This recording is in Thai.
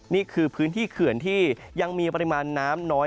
นี่คือพื้นที่เขื่อนที่ยังมีปริมาณน้ำน้อย